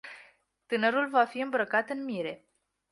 Tânărul va fi îmbrăcat în mire.